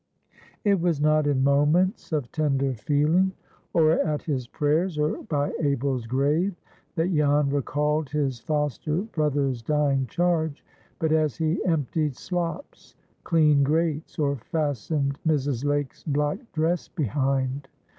It was not in moments of tender feeling, or at his prayers, or by Abel's grave, that Jan recalled his foster brother's dying charge; but as he emptied slops, cleaned grates, or fastened Mrs. Lake's black dress behind.